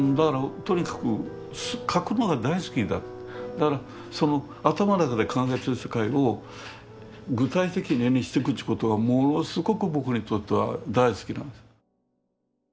だからその頭の中で考えてる世界を具体的に絵にしてくということがものすごく僕にとっては大好きなんです。